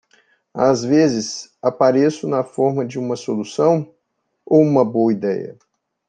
Às vezes, apareço na forma de uma solução? ou uma boa ideia.